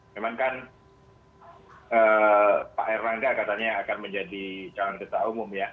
memang kan pak erlangga katanya akan menjadi calon ketua umum ya